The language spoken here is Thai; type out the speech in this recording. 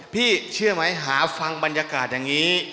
พี่เชื่อมั้ยหาฟังบรรยากาศแบบนี้